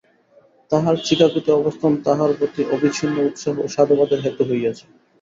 তাঁহার চিকাগোতে অবস্থান তাঁহার প্রতি অবিচ্ছিন্ন উৎসাহ ও সাধুবাদের হেতু হইয়াছে।